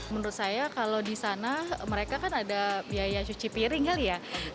menurut saya kalau di sana mereka kan ada biaya cuci piring kali ya